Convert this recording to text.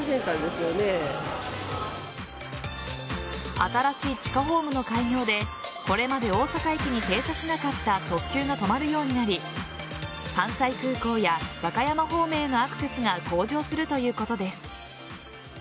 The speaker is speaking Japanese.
新しい地下ホームの開業でこれまで大阪駅に停車しなかった特急が止まるようになり関西空港や和歌山方面へのアクセスが向上するということです。